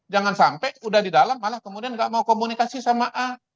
jangan sampai udah di dalam malah kemudian nggak mau komunikasi sama a